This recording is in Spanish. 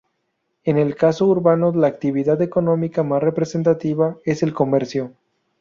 En el casco urbano la actividad económica más representativa es el comercio.